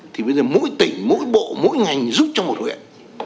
thì bây giờ mỗi tỉnh mỗi bộ mỗi ngành giúp cho một huyện